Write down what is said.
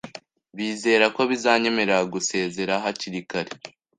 bizera ko bizanyemerera gusezera hakiri kare